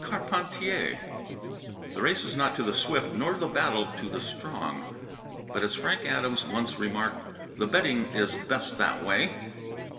CARPENTIER The race is not to the swift, nor the battle to the strong; but as Frank Adams once remarked, the betting is best that way.